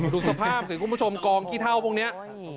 ดูสภาพสิคุณผู้ชมกองขี้เท่าพวกนี้